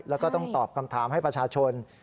แล้วก็ต้องตอบคำถามให้ประชาชน